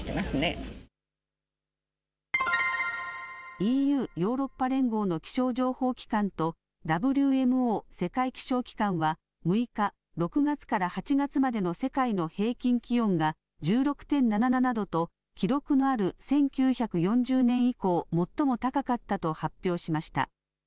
ＥＵ、ヨーロッパ連合の気象情報期間とＷＭＯ、世界気象機関は６日、６月から８月までの世界の平均気温が１６．７７度と記録のある１９４０年以降最も高かったと発表しました。